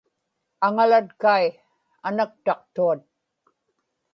aŋalatkai anaktaqtuat